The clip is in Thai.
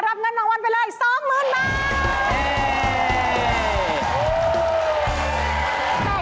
รับเงินรางวัลไปเลยสองหมื่นบาท